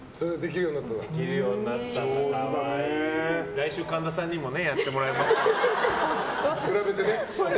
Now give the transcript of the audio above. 来週、神田さんにもやってもらいますからね。